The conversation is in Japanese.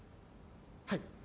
はい